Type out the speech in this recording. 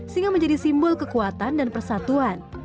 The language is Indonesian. sehingga menjadi simbol kekuatan dan persatuan